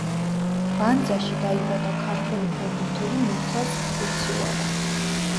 ბანძაში დაიბადა ქართველი ფეხბურთელი მურთაზ ხურცილავა.